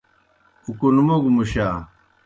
اُکنموگوْ مُشا۔